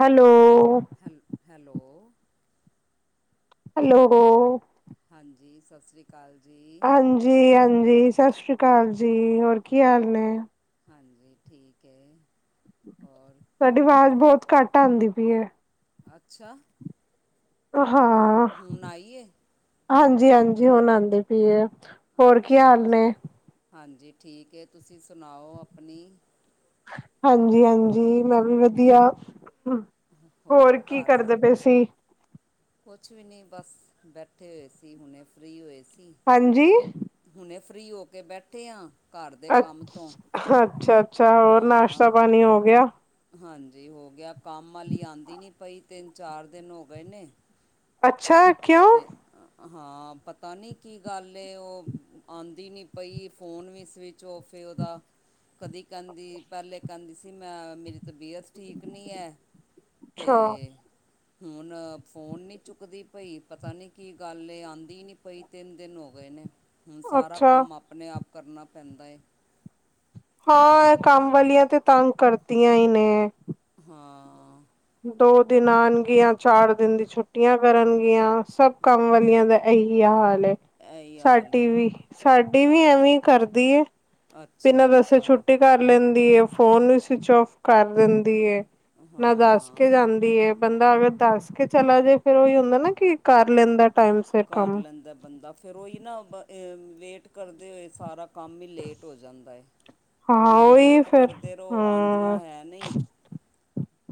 Hello. ਹੈਲ, hello. Hello? ਹਾਂਜੀ, ਸਤਿ ਸ਼੍ਰੀ ਅਕਾਲ ਜੀ। ਜੀ ਹਾਂਜੀ, ਸਤਿ ਸ੍ਰੀ ਅਕਾਲ ਜੀ। ਹੋਰ ਕੀ ਹਾਲ ਨੇ? ਹਾਂਜੀ ਠੀਕ ਹੈ। ਹੋਰ ਤੁਹਾਡੀ ਕੀ ਆਵਾਜ਼ ਕਰ ਬਹੁਤ ਘੱਟ ਆਉਂਦੀ ਪਈ ਹੈ। ਅੱਛਾ, ਹ ਹਾਂ ਹੁਣ ਆਈ ਏ? ਹਾਂਜੀ ਹਾਂਜੀ ਹੁਣ ਆਉਂਦੀ ਪਈ ਆ। ਹੋਰ ਕੀ ਅੱਛਾ ਹਾਲ ਨੇ? ਅੱਛਾ ਹਾਂਜੀ ਠੀਕ ਹੈ। ਤੁਸੀਂ ਸੁਣਾਓ ਆਪਣੀ ਹਾਂਜੀ ਹਾਂਜੀ ਮੈਂ ਵੀ ਵਧੀਆ। ਹੋਰ ਕੀ ਕਰਦੇ ਪਏ ਸੀ? ਕੁਛ ਵੀ ਨਹੀਂ ਬਸ ਬੈਠੇ ਹੋਏ ਸੀ, ਹੁਣੇ ਫਰੀ ਹੋਏ ਸੀ। ਹਾਂਜੀ? ਹੁਣੇ ਫਰੀ ਹੋ ਕੇ ਬੈਠੇ ਆਂ। ਅੱਛ, ਅੱਛਾ-ਅੱਛਾ, ਹੋਰ ਨਾਸ਼ਤਾ ਹਾਂ ਪਾਣੀ ਹੋ ਗਿਆ? ਹਾਂਜੀ ਹੋ ਗਿਆ, ਕੰਮ ਵਾਲੀ ਆਉਂਦੀ ਨੀ ਪਈ ਤਿੰਨ-ਚਾਰ ਦਿਨ ਹੋ ਗਏ ਨੇ। ਅੱਛਾ, ਕਿਉ? ਅਤੇ ਹਾਂ ਪਤਾ ਨਹੀਂ ਕੀ ਗੱਲ ਏ, ਉਹ ਆਉਂਦੀ ਨਹੀਂ ਪਈ, ਫੋਨ ਵੀ ਸਵਿੱਚ ਚੋਫ ਏ ਉਹਦਾ। ਕਦੀ ਕਹਿੰਦੀ, ਪਹਿਲੇ ਕਹਿੰਦੀ ਸੀ ਮੈਂ ਮੇਰੀ ਤਬੀਅਤ ਠੀਕ ਨੀ ਹੈ। ਅੱਛਾ ਤੇ, ਹੁਣ ਫੋਨ ਨਹੀਂ ਚੁੱਕਦੀ ਪਈ। ਪਤਾ ਨੀ ਕੀ ਗੱਲ ਏ ਆਉਂਦੀ ਨੀ ਪਈ ਤਿੰਨ ਦਿਨ ਹੋ ਗਏ ਨੇ। ਹੁਣ ਸਾਰਾ ਅੱਛਾ ਕੰਮ ਆਪ ਆਪਣੇ ਆਪ ਕਰਨਾ ਪੈਂਦਾ ਏ। ਹਾਂ, ਇਹ ਕੰਮ ਵਾਲੀਆਂ ਤੇ ਤੰਗ ਕਰਤੀਆਂ ਹੀ ਨੇ। ਹਾਂ। ਦੋ ਦਿਨ ਆਉਣਗੀਆਂ, ਚਾਰ ਦਿਨ ਦੀ ਛੁੱਟੀਆਂ ਕਰਨਗੀਆਂ। ਸਭ ਕੰਮ ਵਾਲੀਆਂ ਦਾ ਇਹੀ ਹਾਲ ਹੈ। ਇਹੀ ਹਾਲ ਸਾਡੀ ਏ ਵੀ, ਸਾਡੀ ਵੀ ਹਾਂ ਐਵੇਂ ਈ ਕਰਦੀ ਏ, ਅੱਛਾ ਬਿਨਾਂ ਦੱਸੇ ਅੱਛਾ ਛੁੱਟੀ ਕਰ ਲੈਂਦੀ ਏ, ਫੋਨ ਵੀ ਸਵਿਚ ਓਫ ਕਰ ਦਿੰਦੀ ਹੈ। ਨਾ ਦੱਸ ਹਾਂ ਦੀ ਏ। ਬੰਦਾ ਅਗਰ ਦੱਸ ਕੇ ਚਲਾ ਜੇ ਫਿਰ ਉਹੀ ਹੁੰਦਾ ਨਾ ਕਿ ਕਰ ਲੈਂਦਾ ਟਾਈਮ ਸਿਰ ਕਰ ਕੰਮ ਲੈਂਦਾ ਬੰਦਾ ਫੇਰ ਓਈ ਨਾ ਵੇਟ ਕਰਦੇ ਓਏ ਸਾਰਾ ਕੰਮ ਹੀ ਲੇਟ ਹੋ ਜਾਂਦਾ ਹੈ। ਹਾਂ ਉਹਨਾਂ ਦੀ ਉਹੀ ਵੇਟ ਫੇਰ ਕਰਦੇ ਰਹੋ ਆਉਂਦੀਆਂ ਹਮ ਹੈ ਨਹੀਂ,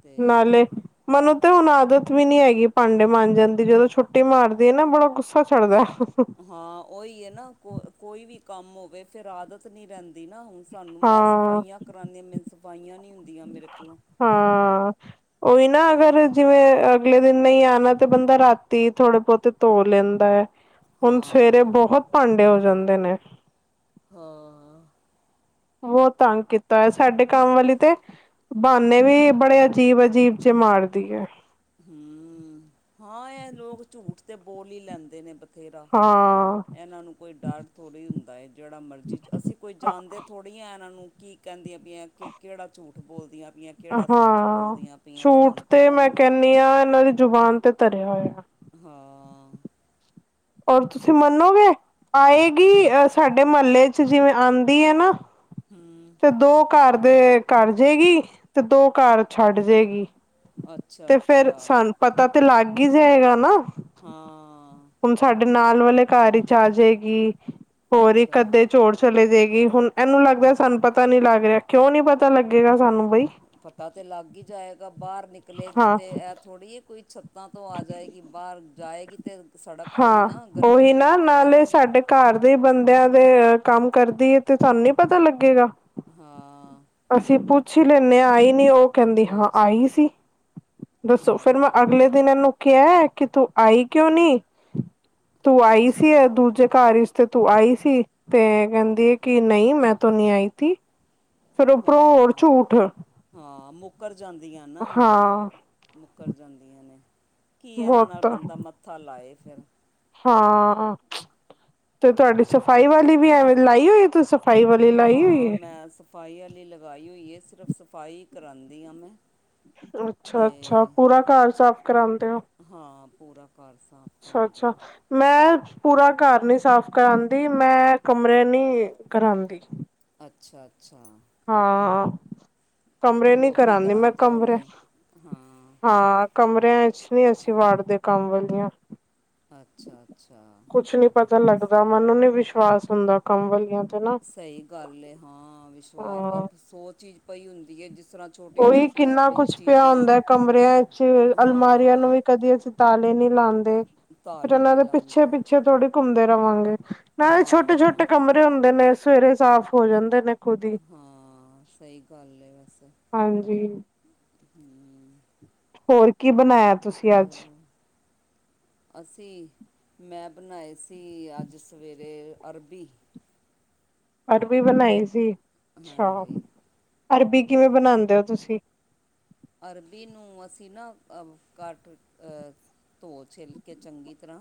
ਤੇ ਨਾਲੇ ਮੈਨੂੰ ਤੇ ਹੁਣ ਆਦਤ ਵੀ ਨੀ ਹੈਗੀ ਭਾਂਡੇ ਮਾਂਜਣ ਦੀ, ਜਦੋਂ ਛੁੱਟੀ ਮਾਰਦੀ ਹੈ ਨਾ ਬੜਾ ਗੁੱਸਾ ਚੜਦਾ। ਹਾਂ ਉਹੀ ਹੈ ਨਾ, ਕੋ ਕੋਈ ਵੀ ਕੰਮ ਹੋਵੇ ਫੇਰ ਆਦਤ ਨੀ ਰਹਿੰਦੀ ਨਾ ਹੁਣ ਸਾਨੂੰ ਮੈਂ ਹਾਂ ਸਫਾਈਆਂ ਕਰਾਉਦੀ, ਮੈਨੂੰ ਸਫਾਈਆਂ ਨ ਹਾਂ। ਉਹੀ ਨਾ ਤੇ ਅਗਰ ਜਿਵੇਂ ਅਗਲੇ ਦਿਨ ਨਹੀਂ ਆਉਣਾ ਤੇ ਬੰਦਾ ਰਾਤੀ ਥੋੜੇ ਬਹੁਤੇ ਧੋ ਲੈਂਦਾ ਹੈ। ਹੁਣ ਸਵੇਰੇ ਹਾਂ ਬਹੁਤ ਭਾਂਡੇ ਹੋ ਜਾਂਦੇ ਨੇ। ਹਾਂ। ਬਹੁਤ ਤੰਗ ਕੀਤਾ ਹੈ, ਸਾਡੇ ਕੰਮ ਵਾਲੀ ਤੇ ਬਹਾਨੇ ਵੀ ਬੜੇ ਅਜੀਬ-ਅਜੀਬ ਜੇ ਮਾਰਦੀ ਹੈ। ਹਮ, ਹਾਂ ਇਹ ਲੋਕ ਝੂਠ ਤੇ ਬੋਲ ਹੀ ਲੈਂਦੇ ਨੇ ਬਥੇਰਾ, ਹਾਂ ਇਹਨਾਂ ਨੂੰ ਕੋਈ ਡਰ ਥੋੜ੍ਹੀ ਹੁੰਦਾ। ਜਿਹੜਾ ਮਰਜ਼ੀ, ਅਸੀਂ ਕੋਈ ਜਾਣਦੇ ਥੋੜ੍ਹੀ ਆਂ ਇਹਨਾਂ ਨੂੰ, ਕੀ ਕਹਿੰਦੀਆਂ ਪਈਆਂ, ਕਿ, ਕਿਹੜਾ ਝੂਠ ਬੋਲਦੀਆਂ ਪਈਆਂ ਕਿਹੜਾ ਸੱਚ ਹਾਂ, ਬੋਲਦੀਆਂ ਪਈਆਂ ਝੂਠ ਸਾਨੂੰ ਤੇ ਪਤਾ ਹੀ ਮੈਂ ਨਹੀਂ ਕਹਿਨੀ ਆਂ, ਇਹਨਾਂ ਦੀ ਜ਼ੁਬਾਨ ਤੇ ਭਰਿਆ ਹੋਇਆ। ਹਾਂ। ਹੋਰ ਤੁਸੀਂ ਮੰਨੋਂਗੇ, ਆਏਗੀ ਸਾਡੇ ਮਹੱਲੇ'ਚ ਜਿਵੇਂ ਆਂਦੀ ਐ, ਨਾ ਹੂੰ ਫਿਰ ਦੋ ਘਰ ਦੇ ਕਰਜੇਗੀ, ਤੇ ਦੋ ਘਰ ਛੱਡ ਜੇਗੀ। ਅੱਛਾ ਤੇ ਫਿਰ, ਅੱਛਾ ਸਾਨੂੰ ਪਤਾ ਤੇ ਲੱਗ ਹੀ ਜਾਏਗਾ ਨਾ। ਹਾਂ। ਹੁਣ ਸਾਡੇ ਨਾਲ ਵਾਲੇ ਘਰ ਈਚ ਆਜੇਗੀ, ਹੋਰ ਅੱਛਾ ਇੱਕ-ਅੱਧੇ ਝੋ ਚਲੇ ਜੇਗੀ, ਹੁਣ ਇਹਨੂੰ ਲੱਗਦਾ ਸਾਨੂੰ ਪਤਾ ਨੀ ਲੱਗ ਰਿਹਾ, ਕਿਉਂਨੀ ਪਤਾ ਲੱਗੇਗਾ ਸਾਨੂੰ ਬਈ। ਪਤਾ ਤੇ ਲੱਗ ਹੀ ਜਾਇਗਾ, ਬਾਹਰ ਨਿਕਲੇਗੀ ਹਾਂ ਤੇ ਐ ਥੋੜ੍ਹੀ ਏ, ਕੋਈ ਤਾਂ ਤੋਂ ਆ ਜਾਏਗੀ, ਬਾਹਰ ਜਾਏਗੀ ਤੇ ਸੜਕ ਤੋਂ ਹੀ ਹਾਂ ਨਾ ਉਹੀ ਗਲੀ'ਚੋਂ ਹੀ ਨਾ ਨਾਲੇ ਨਿਕਲੇਗੀ। ਸਾਡੇ ਘਰ ਦੇ ਈ ਬੰਦਿਆਂ ਦੇ ਕੰਮ ਕਰਦੀ ਏ, ਤੇ ਤੁਹਾਨੂੰ ਨੀ ਪਤਾ ਲੱਗੇਗਾ। ਹਾਂ। ਅਸੀਂ ਪੁੱਛ ਹੀ ਲੀਂਨੇ ਆਂ, ਆਈ ਨਹੀਂ ਉਹ। ਕਹਿੰਦੀ, ਹਾਂ ਪੁੱਛ ਆਈ ਸੀ। ਦੱਸੋ, ਫਿਰ ਮੈਂ ਹਾਂ ਅਗਲੇ ਦਿਨ ਇਹਨੂੰ ਕਿਹਾ, ਕਿ, ਤੂੰ ਆਈ ਕਿਉਂ ਨਹੀਂ? ਤੂੰ ਆਈ ਸੀ ਅੱਛਾ ਦੂਜੇ ਘਰ ਇੱਚ ਤੇ ਤੂੰ ਆਈ ਸੀ ਤੇ, ਕਹਿੰਦੀ ਐ ਕਿ ਨਹੀਂ, ਮੈਂ ਤੋ ਨਹੀਂ ਆਈ ਥੀ, ਫਿਰ ਉਪਰੋਂ ਹੋਰ ਹਾਂ ਝੂਠ। ਹਾਂ, ਮੁੱਕਰ ਜਾਂਦੀਆਂ ਨਾ, ਹਾਂ ਮੁੱਕਰ ਜਾਂਦੀਆਂ ਨੇ। ਕੀ ਇਹਨਾਂ ਨਾਲ ਬਹੁਤ ਬੰਦਾ, ਮੱਥਾ ਲਾਏ ਫਿਰ। ਹਾਂ, ਤੇ ਤੁਹਾਡੀ ਸਫ਼ਾਈ ਵਾਲੀ ਵੀ ਐਵੇਂ, ਲਾਈ ਹੋਏ ਤੁਸੀਂ ਸ? ਸਫਾਈ ਵਾਲੀ, ਲਾਈ ਹੋਈ ਹਾਂ ਏ? ਮੈਂ ਸਫਾਈ ਵਾਲੀ ਲਗਾਈ ਹੋਈ ਏ, ਸਿਰਫ ਸਫਾਈ ਹੀ ਕਰਾਂਦੀ ਹਾਂ ''ਮੈਂ। ਅੱਛਾ-ਅੱਛਾ, ਅਤੇ ਪੂਰਾ ਘਰ ਸਾਫ਼ ਕਰਾਉਂਦੇ ਓ? ਹਾਂ, ਪੂਰਾ। ਘਰ ਸਾਫ਼ ਕਰਾਉਂਦੇ ਅੱਛਾ-ਅੱਛਾ। ਹਾਂ ''ਮੈਂ ਪੂਰਾ ਘਰ ਨੀ ਸਾਫ਼ ਕਰਾਂਦੀ। ''ਮੈਂ ਕਮਰੇ ਨੀ ਕਰਾਂਦੀ। ਅੱਛਾ-ਅੱਛਾ। ਹਾਂ, ਕਮਰੇ ਨੀ ਲੋਬੀ ਕਰਾਂਦੀ, ਮੈਂ ਕਰਾਉਂਦੇ ਕਮਰੇ ਹੋਣੇ ਹੋ ਹਾਂ ਹਾਂ। ਕਮਰਿਆਂ'ਚ ਨਹੀ ਅਸੀਂ ਵਾੜਦੇ, ਕੰਮ ਵਾਲੀਆਂ। ਅੱਛਾ-ਅੱਛਾ। ਕੁਛ ਨੀ ਪਤਾ ਲੱਗਦਾ, ਮੰਨੂ ਨੂੰ ਨੀ ਵਿਸ਼ਵਾਸ ਹੁੰਦਾ ਕੰਮ ਵਾਲੀਆਂ ਤੇ ਨਾ। ਸਹੀ ਗੱਲ ਐ, ‌ਹਾਂ, ਵਿਸ਼ਵਾਸ ਹਾਂ ਸੌ ਚੀਜ਼ ਪਈ ਹੁੰਦੀ ਏ, ਜਿਸ ਤਰ੍ਹਾਂ ਛੋਟੀਆਂ ਉਹੀ, ਛੋਟੀਆਂ ਕਿੰਨਾ ਵੀ ਕੁਛ ਪਿਆ ਚੀਜ਼ਾਂ ਹੁੰਦਾ ਕਮਰਿਆਂ ਵਿੱਚ। ਅਲਮਾਰੀਆਂ ਨੂੰ ਹਾਂ ਵੀ ਕਦੀ ਅਸੀਂ ਤਾਲੇ ਨੀ ਲਾਂਦੇ, ਫਿਰ ਤਾਲੇ ਓਹਨਾਂ ਨਹੀਂ ਦੇ ਪਿੱਛੇ-ਪਿੱਛੇ ਲਾਉਂਦੇ ਪਿੱਛੇ ਥੋੜੀ ਘੁੰਮਦੇ ਰ੍ਹਵਾਂਗੇ, ਨਾਲੇ ਹਾਂ ਛੋਟੇ-ਛੋਟੇ ਕਮਰੇ ਹੁੰਦੇ ਨੇ, ਸਵੇਰੇ ਸਾਫ਼ ਹੋ ਜਾਂਦੇ ਨੇ। ਖੁਦ ਹੀ। ਹਾਂ, ਸਹੀ ਗੱਲ ਹੈ, ਵੈਸੇ। ਹਾਂਜੀ, ਹੋਰ ਕੀ ਬਣਾਇਆ ਤੁਸੀਂ? ਅੱਜ ਚਲੋ, ਅਸੀਂ ''ਮੈਂ ਬਣਾਏ ਸ ਅਸੀਂ, ਅੱਜ ਸਵੇਰੇ ਅਰਬੀ‌। ਅਰਬੀ ਬਣਾਈ ਸੀ? ਅੱਛਾ। ਹਾਂਜੀ ਅਰਬੀ, ਕਿਵੇਂ ਬਣਾਂਦੇ ਓ ਤੁਸੀਂ? ਅਰਬੀ ਨੂੰ ਅਸੀਂ ਨਾ, ਕੱਟ ਅ ਧੋ, ਛਿੱਲਕੇ ਚੰਗੀ ਤਰ੍ਹਾਂ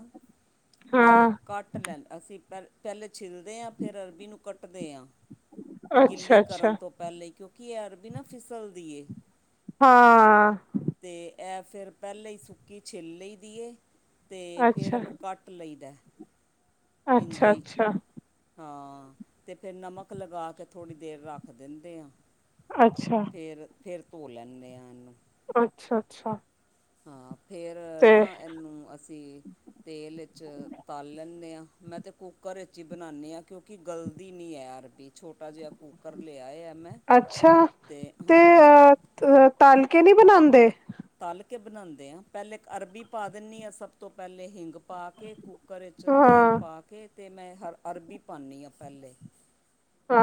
ਤੇ ਹਾਂ ਕੱਟ ਲੈ ਅਸੀਂ ਪਹਿ ਪਹਿਲੇ ਛਿੱਲਦੇ ਆ, ਫਿਰ ਅਰਬੀ ਨੂੰ ਕੱਟਦੇ ਆਂ। ਗਿੱਲੀ ਅੱਛਾ ਅੱਛਾ ਕਰਨ ਤੋਂ ਪਹਿਲੇ ਈ, ਕਿਉਂਕਿ ਇਹ ਅਰਬੀ ਨਾ ਫਿਸਲਦੀ ਏ। ਹਾਂ। ਤੇ ਐ ਫਿਰ, ਪਹਿਲੇ ਹੀ ਸੁੱਕੀ ਛਿੱਲ ਲਈ ਦੀ ਏ ਤੇ, ਫਿਰ ਅੱਛਾ ਇਹਨੂੰ ਕੱਟ ਲਈਦਾ। ਇੰਜੇ ਅੱਛਾ ਈ। ਅੱਛਾ ਹਾਂ ਤੇ ਫਿਰ ਨਮਕ ਲਗਾ ਕੇ ਥੋੜ੍ਹੀ ਦੇਰ ਰੱਖ ਦਿੰਦੇ ਆਂ। ਅੱਛਾ। ਫਿਰ-ਫਿਰ ਧੋ ਲੈਂਣੇ ਆਂ ਏਨੂੰ। ਅੱਛਾ, ਅੱਛਾ। ਹਾਂ ਫੇਰ ਨਾਂ ਇਨੂੰ ਅਸੀਂ ਤੇਲ ਚ ਤਲ ਲੈਂਦੇ ਆਂ, ਮੈਂ ਤਾਂ ਕੁੱਕਰ ਵਿੱਚ ਹੀ ਬਣਾਣੀ ਆਂ ਕਿਉਂਕਿ ਗਲਦੀ ਨਈਂ ਏ ਅਰਬੀ। ਛੋਟਾ ਜਿਹਾ ਕੂਕਰ ਲਿਆ ਆ ਮੈਂ। ਅੱਛਾ ਅਤੇ ਤੇ ਹਾਂ ਅ ਤੱਲਕੇ ਨਈਂ ਬਣਾਂਦੇ। ਤਲ ਕੇ ਬਣਾਂਦੇ ਆਂ, ਪਹਿਲੇ ਇੱਕ ਅਰਬੀ ਪਾ ਦਿੰਣੀ ਆਂ, ਸਭ ਤੋਂ ਪਹਿਲੇ ਹਿੰਗ ਪਾ ਕੇ ਕੁ ਕੂਕਰ ਇੱਚ ਤੇਲ ਹਾਂ, ਪਾ ਕੇ ਅਤੇ ਮੈਂ ਹਰ ਅਰਬੀ ਪਾਣੀ ਆਂ ਪਹਿਲੇ।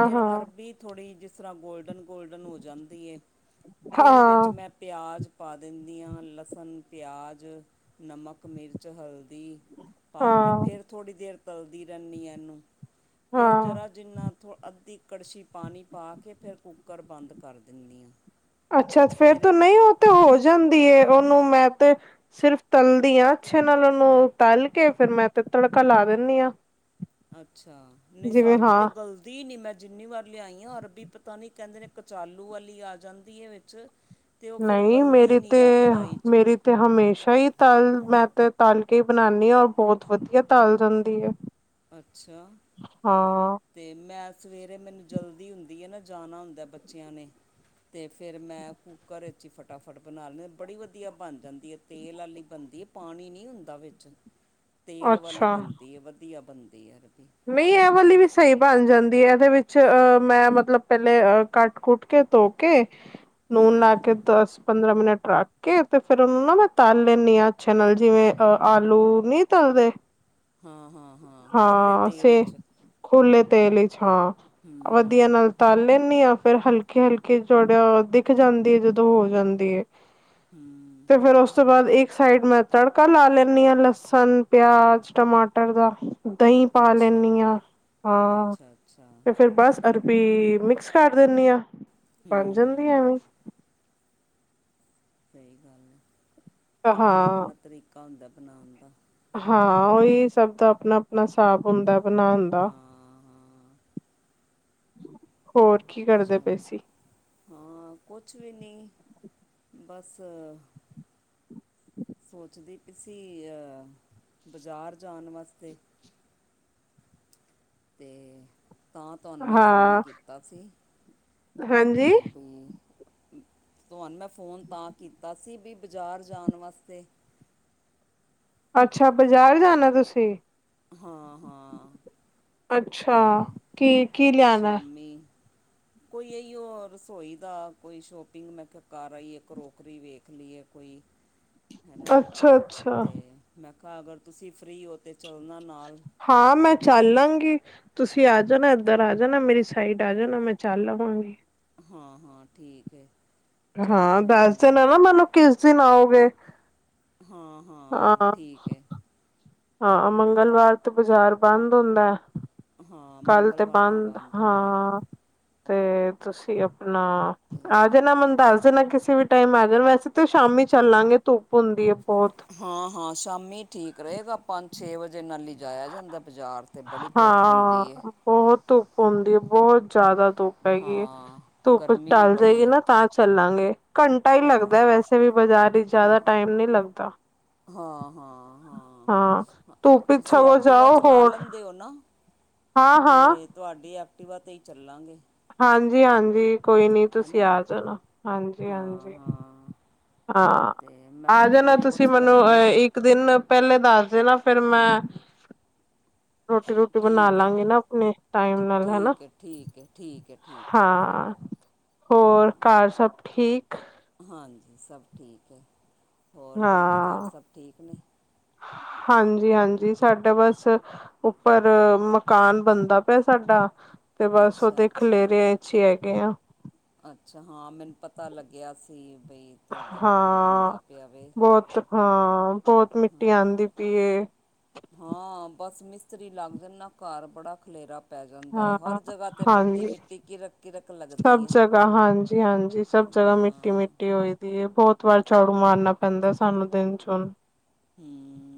ਫਿਰ ਅਰਬੀ ਥੋੜ੍ਹੀ ਜਿਸ ਤਰ੍ਹਾਂ ਗੋਲਡਨ ਗੋਲਡਨ ਹੋ ਜਾਂਦੀ ਐ, ਹਾਂ, ਫਿਰ ਵਿੱਚ ਹਾਂ, ਮੈਂ ਪਿਆਜ਼ ਪਾ ਦਿੰਦੀ ਆਂ ਲਸਣ, ਪਿਆਜ਼। ਨਮਕ, ਮਿਰਚ, ਹਲਦੀ। ਪਾ ਕੇ ਹਾਂ ਫੇਰ ਥੋੜ੍ਹੀ ਦੇਰ ਤਲਦੀ ਰਹਿੰਦੀ ਇਹਨੂੰ ਫੇਰ ਹਾਂ ਜ਼ਰਾ ਜਿੰਨਾ ਥੋ ਅੱਧੀ ਕੜਛੀ ਪਾਣੀ ਪਾ ਕੇ ਫਿਰ ਕੁੂੱਕਰ ਬੰਦ ਕਰ ਦਿੰਦੀ ਆਂ। ਅੱਛਾ ਫੇਰ ਤ ਨਈਂ ਉਹ ਤੇ ਹੋ ਜਾਂਦੀ ਏ ਉਹਨੂੰ ਮੈਂ ਤੇ ਸਿਰਫ ਤਲਦੀ ਆਂ ਅੱਛੇ ਨਾਲ ਉਹਨੂੰ, ਤਲ ਕੇ ਫੇਰ ਮੈਂ ਤੇ ਤੜਕਾ ਲਾ ਦਿੰਣੀ ਆਂ। ਅੱਛਾ, ਨਈਂ ਸਾਡੀ ਤੇ ਹਾਂ ਗਲ ਦੀ ਨੀਂ ਮੈਂ ਜਿੰਨੀ ਵਾਰ ਲਿਆਈ ਆਂ ਅਰਬੀ ਪਤਾ ਨੀਂ ਕਹਿੰਦੇ ਨੇਂ ਕਚਾਲੂ ਵਾਲੀ ਆ ਜਾਂਦੀ ਏ ਵਿੱਚ ਅਤੇ ਉਹ ਫਿਰ ਨਈਂ ਗਲਦੀ ਮੇਰੀ ਨਹੀਂ ਤੇ, ਹੈ ਕੜਾਹੀ 'ਚ ਮੇਰੀ ਤੇ ਹਮੇਸ਼ਾ ਹੀ ਤਲ, ਮੈਂ ਤੇ ਤਲ ਕੇ ਈ ਬਣਾਣੀ ਆਂ ਔਰ ਬਹੁਤ ਵਧੀਆ ਤੱਲ ਜਾਂਦੀ ਐ। ਅੱਛਾ। ਤੇ ਮੈਂ ਸਵੇਰੇ ਮੈਨੂੰ ਜਲਦੀ ਹੁੰਦੀ ਐਨਾਂ, ਜਾਣਾ ਹੁੰਦਾ ਬੱਚਿਆਂ ਨੇਂ। ਤੇ ਫਿਰ ਮੈਂ ਕੂੱਕਰ ਵਿੱਚ ਈ ਫਟਾਫਟ ਬਣਾ ਲੈਂ ਬੜੀ ਵਧੀਆ ਬਣ ਜਾਂਦੀ ਐ। ਤੇਲ ਵਾਲੀ ਬਣਦੀ ਪਾਣੀ ਨਹੀਂ ਹੁੰਦਾ ਵਿੱਚ [inaudible] ਤੇਲ ਵਾਲੀ ਅੱਛਾ ਬਣਦੀ ਐ, ਵਧੀਆ ਬਣਦੀ ਏ ਅਰਬੀ। ਨਈਂ ਇਹ ਵਾਲੀ ਵੀ ਸਹੀ ਬਣ ਜਾਂਦੀ ਐ ਇਹਦੇ ਵਿੱਚ ਮੈਂ ਮਤਲਬ ਪਹਿਲੇ ਕੱਟ-ਕੁੱਟ ਕੇ ਧੋ ਕੇ ਨੂਨ ਲਾ ਹੂੰ ਕੇ ਦਸ-ਪੰਦਰਾਂ ਮਿੰਟ ਰੱਖ ਕੇ ਤੇ ਫੇਰ ਉਹਨੂੰ ਨਾਂ ਮੈਂ ਤੱਲ ਲੈਂਣੀ ਆਂ ਅੱਛੇ ਨਾਲ ਜਿਵੇਂ ਅ ਆਲੂ ਨਈਂ ਤਲਦੇ ਹਾਂ, ਹਾਂ, ਹਾਂ ਖੁੱਲ੍ਹੇ ਤੇਲ ਇੱਚ। ਖੁੱਲੇ ਤੇਲ ਵਿਚ ਹਾਂ, ਹੂੰ ਵਧੀਆ ਹੂੰ ਨਾਲ। ਤੱਲ ਲੈਂਣੀ ਆਂ, ਫਿਰ ਹਲਕੇ-ਹਲਕੇ ਜੜਿਆ ਦਿਖ ਜਾਂਦੀ ਹੈ ਜਦੋਂ ਹੋ ਜਾਂਦੀ ਐ। ਹਂ ਤੇ ਫੇਰ ਉਸ ਤੋਂ ਬਾਅਦ ਇੱਕ ਸਾਈਡ ਮੈਂ ਤੜਕਾ ਲਾ ਲੈਂਣੀ ਆਂ, ਲਸਣ, ਪਿਆਜ, ਟਮਾਟਰ ਦਾ। ਦਹੀਂ ਪਾ ਅੱਛਾ ਲੈਂਣੀ ਆਂ, ਹਾਂ ਅੱਛਾ ਅੱਛਾ ਤੇ ਫਰ ਬਸ ਅਰ ਬੀ ਮਿਕਸ ਕਰ ਦਿੰਣੀ ਆਂ, ਬਣ ਜਾਂਦੀ ਹੂੰ ਐਵੇਂ। ਸਹੀ ਗੱਲ ਏ, ਆਪਣਾ ਹਾਂ, ਆਪਣਾ ਤਰੀਕਾ ਹੁੰਦਾ ਬਣਾਉਣ ਦਾ। ਹਾਂ ਉਹੀ ਸਭ ਦਾ ਆਪਣਾ ਆਪਣਾ ਸਾਬ ਹੁੰਦਾ ਬਣਾਣ ਦਾ। ਹਾਂ ਹਾਂ ਹੋਰ ਕੀ ਕਰਦੇ ਪਏ ਚਲੋ ਸੀ। ਹਾਂ, ਕੁਛ ਵੀ ਨੀਂ ਬਸ [unintelligible] ਸੋਚਦੀ ਪੀ ਸੀ ਆਹ ਬਜ਼ਾਰ ਜਾਣ ਵਾਸਤੇ। [unintelligible] ਤੇ ਤਾਂ ਤੁਹਾਨੂੰ ਮੈਂ ਫੋਨ ਹਾਂ, ਕੀਤਾ ਸੀ। ਤੇ ਹਾਂਜੀ ਬੀ [unintelligible] ਤੁਹਾਨੂੰ ਮੈਂ ਫੋਨ ਤਾਂ ਕੀਤਾ ਸੀ, ਵੀ ਬਾਜ਼ਾਰ ਜਾਣ ਵਾਸਤੇ। ਅੱਛਾ ਬਜ਼ਾਰ ਜਾਣਾ ਤੁਸੀਂ ਹਾਂ ਹਾਂ ਅੱਛਾ, ਤੇ ਕੀ-ਕੀ ਲਿਆਣਾ? ਸ਼ਾਮੀ ਕੋਈ ਇਹੀ ਉਹ ਰਸੋਈ ਦਾ ਕੋਈ ਸ਼ੋਪਿੰਗ ਮੈਂ ਕਰ ਆਈ ਹੈ ਕਰੋਕਰੀ ਵੇਖ ਲਈਏ ਕੋਈ ਹੈ ਨਾ ਅੱਛਾ ਅੱਛਾ ਅਤੇ ਮੈਂ ਕਿਹਾ ਅਗਰ ਤੁਸੀਂ ਫਰੀ ਹੋ ਤਾਂ ਚੱਲਣਾ ਨਾਲ ਹਾਂ ਮੈਂ ਚੱਲ ਲਾਂਗੀ ਤੁਸੀਂ ਆ ਜਾਣਾ ਇੱਧਰ ਆ ਜਾਣਾ ਮੇਰੀ ਸਾਈਡ ਆ ਜਾਣਾ ਮੈਂ ਚੱਲ ਲਵਾਂਗੀ ਹਾਂ ਹਾਂ ਠੀਕ ਹੈ। ਚਲੇ ਹਾਂ ਦੱਸ ਜਾਵਾਂਗੇ ਦਿਨ ਹੈ ਨਾ ਮੈਨੂੰ ਕਿਸ ਦਿਨ ਆਓਗੇ। ਹਾਂ ਹਾਂ ਠੀਕ ਹੈ। ਹਾਂ ਮੰਗਲਵਾਰ ਤੇ ਬਾਜ਼ਾਰ ਬੰਦ ਹੁੰਦਾ ਹਾਂ ਕੱਲ੍ਹ ਤੇ ਮੰਗਲਵਾਰ ਤਾਂ ਬੰਦ ਹੁੰਦਾ ਹੈ ਹਾਂ ਤੇ ਤੁਸੀਂ ਆਪਣਾ ਅਤੇ ਆ ਜਾਣਾ ਮਨਦਾ ਕਿਸੇ ਨਾ ਕਿਸੇ ਵੀ ਟਾਈਮ ਆ ਜਾ ਵੈਸੇ ਤਾਂ ਸ਼ਾਮੀ ਚੱਲਾਂਗੇ ਧੁੱਪ ਹੁੰਦੀ ਹੈ ਬਹੁਤ ਹਾਂ ਹਾਂ ਸ਼ਾਮੀ ਠੀਕ ਰਹੇਗਾ ਆਪਾਂ ਛੇ ਵਜੇ ਨਾਲ ਹੀ ਜਾਇਆ ਜਾਂਦਾ ਬਾਜ਼ਾਰ 'ਤੇ ਬੜੀ ਧੁੱਪ ਹਾਂ ਹੁੰਦੀ ਬਹੁਤ ਧੁੱਪ ਹੁੰਦੀ ਹੈ ਬਹੁਤ ਜਿਆਦਾ ਧੁੱਪ ਹੈਗੀ ਹੈ ਹਾਂ ਧੁੱਪ ਗਰਮੀ ਵੀ ਟਲ ਬੜੀ ਜਾਏਗੀ ਹੈ ਨਾ ਤਾਂ ਚੱਲਾਂਗੇ ਘੰਟਾ ਹੀ ਲੱਗਦਾ ਹਾਂ ਵੈਸੇ ਵੀ ਬਾਜ਼ਾਰ ਵਿਚ ਹਾਂ ਜ਼ਿਆਦਾ ਟਾਈਮ ਨਹੀਂ ਲੱਗਦਾ। ਹਾਂ ਹਾਂ ਹਾਂ ਧੁੱਪ ਵਿੱਚ ਤੁਸੀਂ ਸਗੋਂ ਐਕਟੀਿਵਾ ਜਾਓ ਚਲਾ ਹੋਰ ਲੈਂਦੇ ਹੋ ਨਾ? ਹਾਂ ਹਾਂ ਤੇ ਤੁਹਾਡੀ ਐਕਟੀਿਵਾ ਤੇ ਹੀ ਚੱਲਾਂਗੇ। ਹਾਂਜੀ, ਹਾਂਜੀ ਕੋਈ ਨੀ ਤੂਸੀ ਹੈਨਾ ਆ ਜਾਨਾ ਹਾਂਜੀ, ਹਾਂਜੀ। [unintelligible] ਹਾਂ, ਤੇ ਮੈਂ ਆ ਕਿਹਾ ਜਾਨਾ ਚਲੋ ਤੂਸੀ ਪੁੱਛ ਮਨੂੰ ਅ ਲੈਂਦੀ ਹਾਂ ਇਕ ਇਕ ਦਿਨ ਪੈਲੇ ਦਾੱਸ ਦੇਨਾ ਫੇਰ ਮੈਂ ਰੋਟੀ, ਰੂਟੀ ਬਨਾ ਠੀਕ ਹੈ ਲਾਂਗੀ ਨਾ ਅਪਨੀ, ਟਾਈਮ ਨਾਲ ਹਨਾ ਠੀਕ ਹੈ ਠੀਕ ਹੈ ਠੀਕੈ, ਠੀ ਠੀਕ ਹੈ ਹਾਂ, ਹੋਰ ਘਾਰ ਸਬ ਠੀਕ? ਹਾਂਜੀ, ਸਬ ਠੀਕ ਏ, ਹੋਰ ਤੂਆਡੇ ਘਾਰ ਹਾਂ ਸਬ ਠੀਕ ਨੇ? ਹਾਂਜੀ, ਹਾਂਜੀ ਸਾਡਾ ਬਾੱਸ ਉਪਰ ਮਕਾਨ ਬਨਦਾ ਪੇਆ ਸਾਡਾ ਤੇ ਬਸ ਅੱਛਾ ਓਦੇ ਅੱਛਾ ਖਲੇਰੇਆਂ ਇਚ ਈ ਹੈਗੇ ਆਂ। ਅੱਛਾ, ਹਾਂ ਮੈਨ ਪਤਾ ਲਗੇਆ ਸੀ ਬਈ ਤੂਆਡਾ ਉਪਰ ਹਾਂ ਬੰਦਾ ਪੇਆਵੇ ਬਹੁਤ ਹਾਂ, ਬੋਤ ਮਿੱਟੀ ਆਂਦੀ ਪੀਏ। ਹਾਂ, ਬਸ ਮਿਸਤਰੀ ਲਾੱਗ ਜਨ ਨਾ ਘਾਰ ਬੜਾ ਖਲੇਰਾ ਪੈ ਜਾਂਦਾ ਏ ਹਰ ਹਾਂ ਜਗਾ ਤੇ ਮਿੱਟੀ, ਮਿੱਟੀ ਕੀਰਕ ਸਬ ਜਗਾ ਹਾਂਜੀ, ਹਾਂਜੀ ਸਬ ਜਗਾ ਮਿੱਟੀ, ਹਾਂ ਮਿੱਟੀ। ਛੁਟੀ ਹੋਈ ਦੀ ਏ ਬੋਤ ਵਾਰ ਝਾੜੂ ਮਾਰਨਾ ਪੈਂਦਾ ਸਾਨੂੰ ਦਿਨ ਚ ਹੂਨ। ਹੂੰ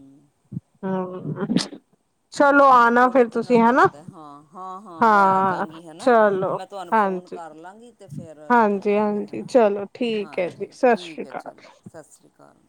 ਹਾਂ ਚਲੋ ਆਣਾ ਥੋੜੇ ਫਿਰ ਤੁਸੀਂ ਦਿਨਾਂ ਦਾ ਹੈਾ ਹੁੰਦਾ ਹਾਂ ਹਾਂ ਮੈਂ ਆ ਹਾਂ ਜਾਂਗੀ ਹੈਨਾ ਤੇ ਚਲੋ ਮੈਂ ਤੁਹਾਨੂੰ ਫੋਨ ਹਾਂਜੀ। ਕਰ ਲਾਂਗੀ ਤੇ ਫਿਰ ਹਾਂਜੀ ਚੱਲਾਂਗੇ ਹਾਂਜੀ ਹੈਨਾ ਚਲੋ ਠੀਕ ਹੈ ਜੀ ਹਾਂਜੀ ਸਤਿ ਸ੍ਰੀ ਠੀਕ ਹੈ ਅਕਾਲ। ਚਲੋ ਸਤਿ ਸ਼੍ਰੀ ਅਕਾਲ